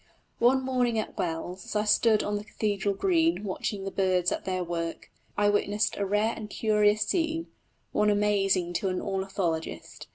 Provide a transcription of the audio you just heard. One morning at Wells as I stood on the cathedral green watching the birds at their work, I witnessed a rare and curious scene one amazing to an ornithologist.